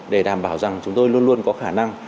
để đảm bảo rằng chúng tôi luôn luôn có khả năng